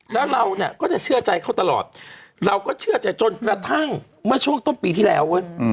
แล้วเราเนี่ยก็จะเชื่อใจเขาตลอดเราก็เชื่อใจจนกระทั่งเมื่อช่วงต้นปีที่แล้วเว้ย